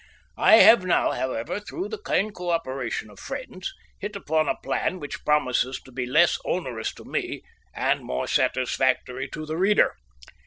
I have now, however, through the kind cooperation of friends, hit upon a plan which promises to be less onerous to me and more satisfactory to the reader.